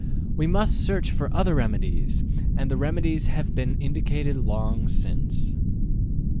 We must search for other remedies, and the remedies have been indicated long since.''